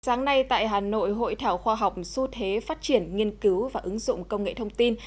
sáng nay tại hà nội hội thảo khoa học xu thế phát triển nghiên cứu và ứng dụng công nghệ thông tin